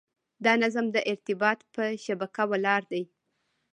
دا نظم د ارتباط په شبکه ولاړ دی.